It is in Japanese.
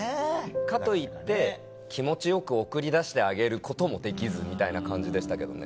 かといって気持ちよく送り出してあげることもできずみたいな感じでしたけどね。